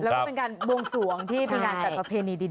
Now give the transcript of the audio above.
แล้วก็เป็นการบวงสวงที่เป็นการจัดประเพณีดิน